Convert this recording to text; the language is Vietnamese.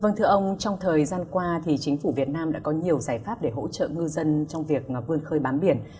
vâng thưa ông trong thời gian qua thì chính phủ việt nam đã có nhiều giải pháp để hỗ trợ ngư dân trong việc vươn khơi bám biển